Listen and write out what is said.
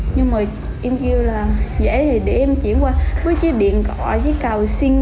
nhưng mà em kêu là dễ thì để em chỉ qua với chiếc điện cọ với cào xin